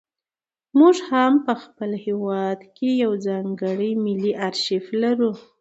موږ هم په خپل هېواد کې یو ځانګړی ملي ارشیف لرو.